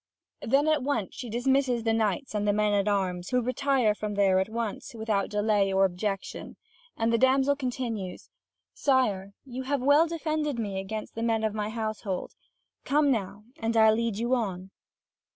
Then at once she dismisses the knights and the men at arms, who retire from there at once, without delay or objection. And the damsel continues: "Sire you have well defended me against the men of my household. Come now, and I'll lead you on."